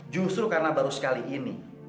justru karena baru sekali ini